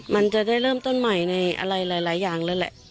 มันจะได้เริ่มต้นใหม่ในอะไรหลายอย่างแล้วแหละ